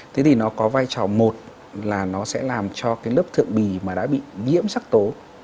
thế thì nó có vai trò một là nó sẽ làm cho cái lớp thượng bì mà đã bị nhiễm sắc tố